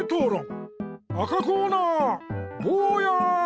赤コーナーぼうや！